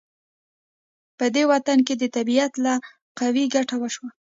په دې وخت کې د طبیعت له قوې ګټه وشوه.